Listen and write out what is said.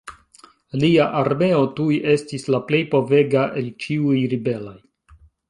Lia armeo tuj estis la plej povega el ĉiuj ribelaj.